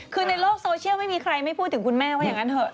คือในโลกโซเชียลไม่มีใครไม่พูดถึงคุณแม่ว่าอย่างนั้นเถอะ